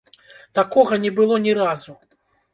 Такога не было ні разу!